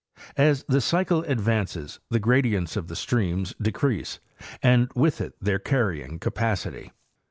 As the cycleadvances the gradients of the streams decrease, and with it their carrying capacity.